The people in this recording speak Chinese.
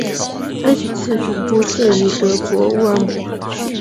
安许茨总部设于德国乌尔姆。